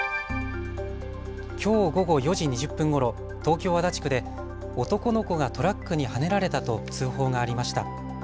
きょう午後４時２０分ごろ、東京足立区で男の子がトラックにはねられたと通報がありました。